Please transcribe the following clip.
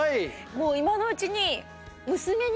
もう今のうちに。